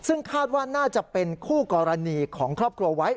ซึ่งคาดว่าน่าจะเป็นคู่กรณีของครอบครัวไว้